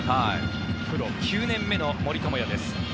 プロ９年目の森友哉です。